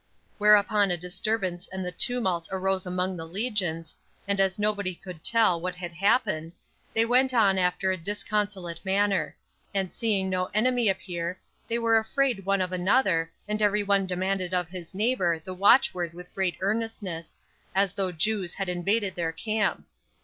Whereupon a disturbance and a tumult arose among the legions, and as nobody could tell what had happened, they went on after a disconsolate manner; and seeing no enemy appear, they were afraid one of another, and every one demanded of his neighbor the watchword with great earnestness, as though the Jews had invaded their camp.